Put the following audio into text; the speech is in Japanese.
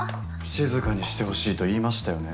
静かにしてほしいと言いましたよね。